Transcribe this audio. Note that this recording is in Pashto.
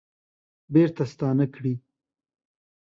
بیرته ستانه کړي